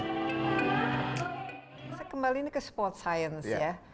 saya kembali ke sport science ya